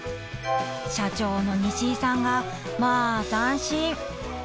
［社長の西井さんがまあ斬新］